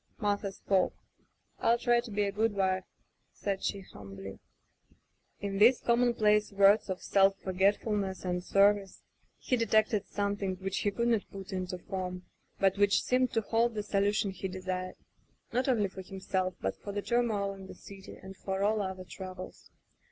Martha spoke: "FU try to be a good wife,'* said she hum bly. In these commonplace words of self for getfulness and service he detected something which he could not put into form, but which seemed to hold the solution he desired, not only for himself, but for the turmoil in the city and for all other troubles.